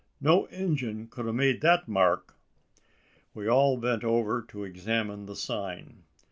No Injun kud a made that mark!" We all bent over to examine the sign.